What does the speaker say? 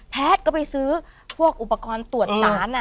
แพทย์ก็ไปซื้อพวกอุปกรณ์ตรวจสาร